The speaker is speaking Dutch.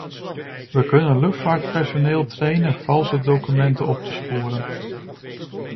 We kunnen luchtvaartpersoneel trainen valse documenten op te sporen.